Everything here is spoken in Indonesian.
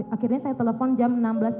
akhirnya saya telepon jam enam belas tiga puluh